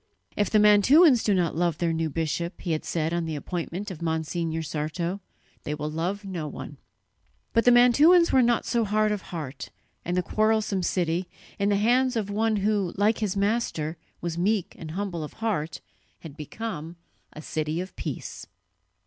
"If the Mantuans do not love their new bishop," he had said on the appointment of Monsignor Sarto, "they will love no one." But the Mantuans were not so hard of heart, and the quarrelsome city, in the hands of one who, like his Master, was meek and humble of heart, had become a city of peace.